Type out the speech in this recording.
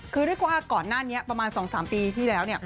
คือเรียกว่าก่อนหน้านี้ประมาณ๒๓ปีที่แล้วเนี่ย